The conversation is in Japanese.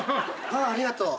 ありがとう。